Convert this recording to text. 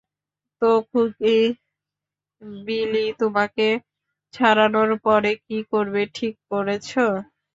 তো খুকি, বিলি তোমাকে ছাড়ানোর পরে কী করবে ঠিক করেছ?